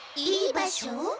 いい場所？